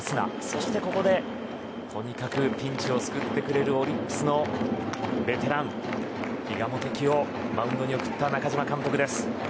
そして、ここでとにかくピンチを救ってくれるオリックスのベテラン比嘉幹貴をマウンドに送った中嶋監督。